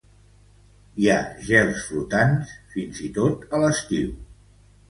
Hi ha gels flotants fins i tot a l'estiu.